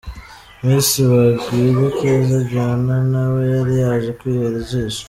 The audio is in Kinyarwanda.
Miss Bagwire Keza Joannah nawe yari yaje kwihera ijisho.